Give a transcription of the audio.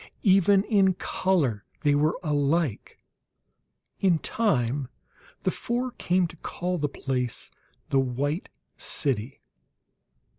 Even in color they were alike; in time the four came to call the place the "White City."